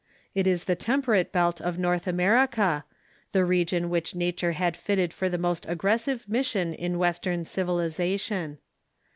It is the temperate belt of North America — the region which nature had fitted for the most aggressive mission in Western civilization.